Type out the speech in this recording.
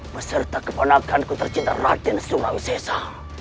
beserta kebenakanku tercinta raden surawisesa